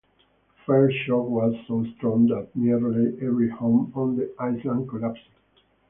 The first shock was so strong that nearly every home on the island collapsed.